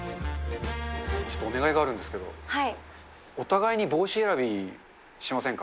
ちょっとお願いがあるんですけど、お互いに帽子選びしませんか？